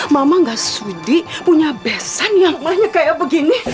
mama gak sudi punya besan yang namanya kayak begini